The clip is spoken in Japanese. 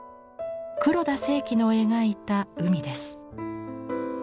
黒田清輝の描いた海です。